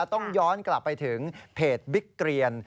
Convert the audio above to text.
ต้องย้อนกลับไปถึงเพจบิ๊กเกรียน